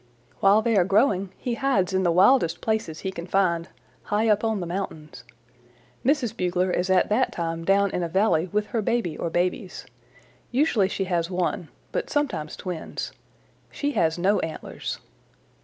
While they are growing, he hides in the wildest places he can find, high up on the mountains. Mrs. Bugler is at that time down in a valley with her baby or babies. Usually she has one, but sometimes twins. She has no antlers.